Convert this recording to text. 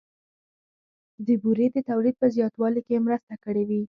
د بورې د تولید په زیاتوالي کې یې مرسته کړې وي